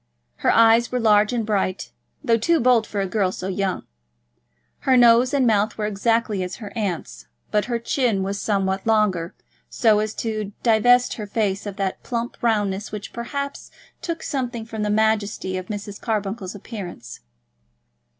Her eyes were large and bright, though too bold for a girl so young. Her nose and mouth were exactly as her aunt's, but her chin was somewhat longer, so as to divest her face of that plump roundness which, perhaps, took something from the majesty of Mrs. Carbuncle's appearance.